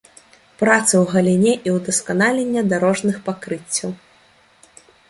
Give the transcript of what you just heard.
Працы ў галіне і ўдасканалення дарожных пакрыццяў.